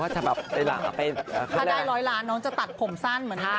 ถ้าได้๑๐๐ล้านน้องจะตัดผมสั้นเหมือนเดิมค่ะ